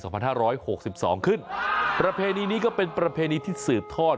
พันห้าร้อยหกสิบสองขึ้นประเพณีนี้ก็เป็นประเพณีที่สืบทอด